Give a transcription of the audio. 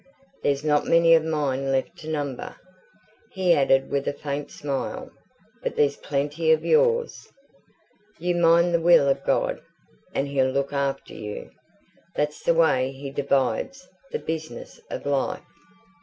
There's not many of mine left to number," he added with a faint smile, "but there's plenty of yours. You mind the will of God, and he'll look after you. That's the way he divides the business of life."